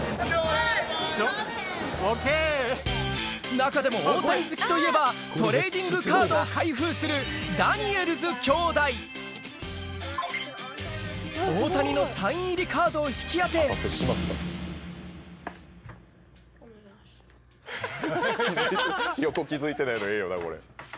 中でも大谷好きといえばトレーディングカードを開封する大谷のサイン入りカードを引き当て横気付いてないのええよなこれ。